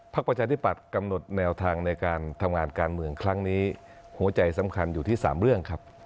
ประชาธิปัตย์กำหนดแนวทางในการทำงานการเมืองครั้งนี้หัวใจสำคัญอยู่ที่๓เรื่องครับ